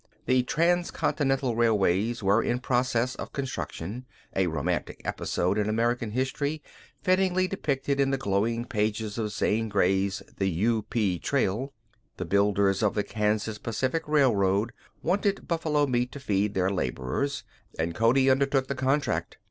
The transcontinental railways were in process of construction, a romantic episode in American history fittingly depicted in the glowing pages of Zane Grey's The U. P. Trail. The builders of the Kansas Pacific Railroad wanted buffalo meat to feed their laborers and Cody undertook the contract.